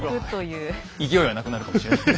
勢いはなくなるかもしれない。